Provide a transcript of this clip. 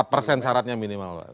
empat persen syaratnya minimal